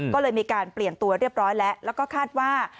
ก็เลยมีการเปลี่ยนตัวเรียบร้อยแล้วแล้วก็คาดว่า